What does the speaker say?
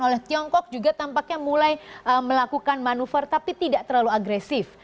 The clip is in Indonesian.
oleh tiongkok juga tampaknya mulai melakukan manuver tapi tidak terlalu agresif